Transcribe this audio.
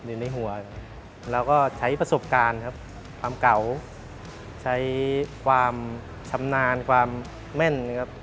อยู่ในหัวแล้วก็ใช้ประสบการณ์ครับความเก่าใช้ความชำนาญความแม่นนะครับ